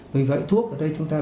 vì vậy thuốc ở đây chúng ta phải